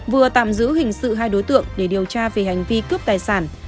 vừa tạm giữ hình sự hai đối tượng để điều tra về hành vi cướp tài sản